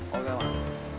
kok udah emang